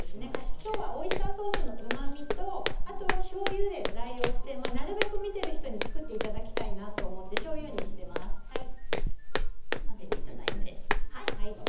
今日はオイスターソースのうまみとしょうゆで代用してなるべく見ている人に作っていただきたいなと思って混ぜていただいて。